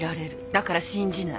だから信じない。